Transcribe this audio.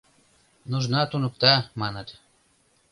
Нужна туныкта, маныт.